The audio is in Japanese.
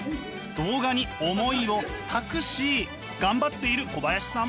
動画に思いを託し頑張っている小林さん。